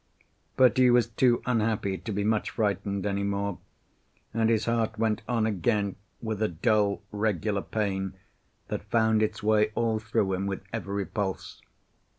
But he was too unhappy to be much frightened any more, and his heart went on again with a dull regular pain, that found its way all through him with every pulse.